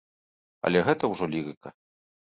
Але гэта ўжо лірыка.